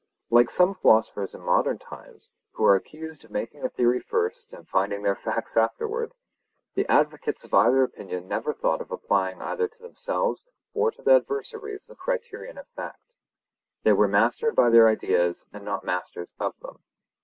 Like some philosophers in modern times, who are accused of making a theory first and finding their facts afterwards, the advocates of either opinion never thought of applying either to themselves or to their adversaries the criterion of fact. They were mastered by their ideas and not masters of them.